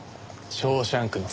『ショーシャンクの空に』。